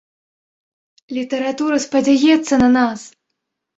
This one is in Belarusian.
Літаратура спадзяецца на нас.